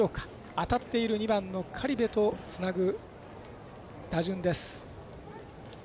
当たっている２番の苅部とつなぐ打順です。